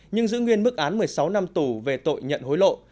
nhưng giữ nguyên mức án một mươi sáu năm tù về tội nhận hối lộ